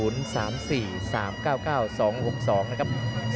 ๓๔๓๙๙๒๖๒นะครับ